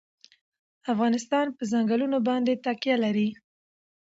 افغانستان په ځنګلونه باندې تکیه لري.